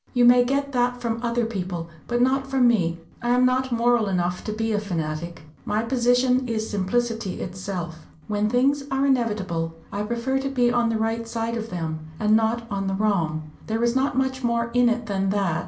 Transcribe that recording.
"You may get that from other people, but not from me. I am not moral enough to be a fanatic. My position is simplicity itself. When things are inevitable, I prefer to be on the right side of them, and not on the wrong. There is not much more in it than that.